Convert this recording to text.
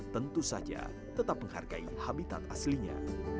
tentu saja tetap menghargai habitat aslinya